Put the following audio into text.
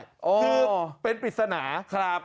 คือเป็นปริศนาครับ